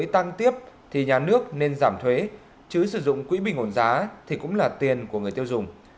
nếu tăng tiếp thì nhà nước nên giảm thuế chứ sử dụng quỹ bình ổn giá thì cũng là tiền của người tiêu dùng